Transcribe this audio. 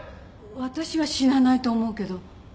私は死なないと思うけど。